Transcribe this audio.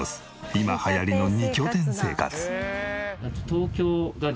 今流行りの２拠点生活。